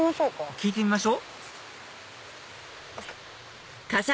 聞いてみましょ